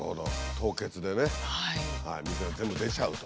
凍結でね水が全部出ちゃうと。